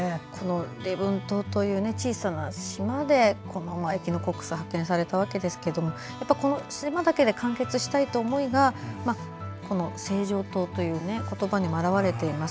礼文島という小さな島でエキノコックスが発見されたわけですがこの島だけで完結したいという思いが「清浄島」という言葉にも表れています。